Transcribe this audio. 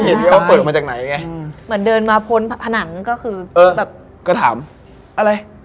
เหมือนเดินมาพ้นผนังก็คือเออก็ถามอะไร